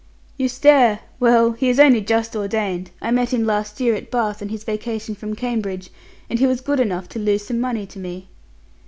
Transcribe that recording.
"You stare! Well, he is only just ordained. I met him last year at Bath on his vacation from Cambridge, and he was good enough to lose some money to me."